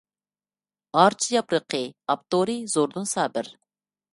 «ئارچا ياپرىقى»، ئاپتورى: زوردۇن سابىر.